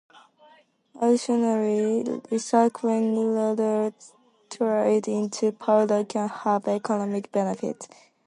Additionally, recycling rubber tires into powder can have economic benefits.